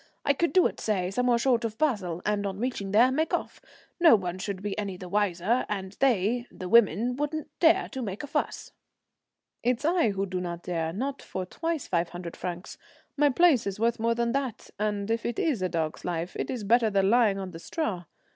I could do it, say somewhere short of Basle, and on reaching there make off. No one should be any the wiser, and they, the women, wouldn't dare to make a fuss." "It's I who do not dare not for twice five hundred francs. My place is worth more than that; and if it is a dog's life, it is better than lying on the straw.